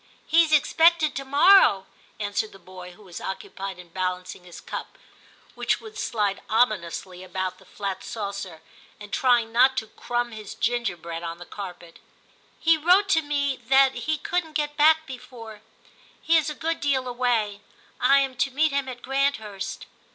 ' He is expected to morrow,' answered the boy, who was occupied in balancing his cup, which would slide ominously about the flat saucer, and trying not to crumb his ginger bread on the carpet. * He wrote to me that he couldn't get back before; he is a good deal away ; I am to meet him at Granthurst.'